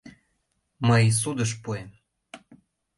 — Мый судыш пуэм.